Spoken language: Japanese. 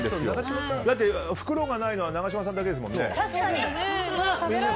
袋がないのは永島さんだけですもんね。